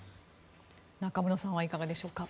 中室さんはいかがでしょうか？